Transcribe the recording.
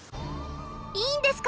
いいんですか！？